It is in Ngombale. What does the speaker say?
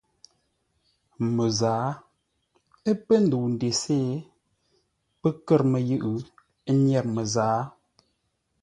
Məzǎa. Ə́ pə́ ndəu ndesé, pə́ kə̂r məyʉʼ, ə́ nyêr məzǎa.